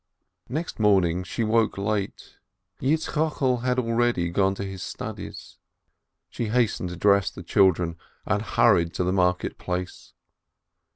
Next morning she woke late. Yitzchokel had already gone to his studies. She hastened to dress the children, and hurried to the market place.